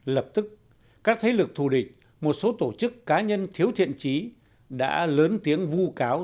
lập tức các thế lực thù địch một số tổ chức cá nhân thiếu thiện trí đã lớn tiếng vu cáo